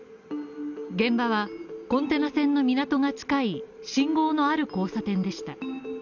現場はコンテナ船の港が近い信号のある交差点でした。